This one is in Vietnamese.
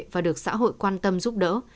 và được xã hội quan tâm giúp đỡ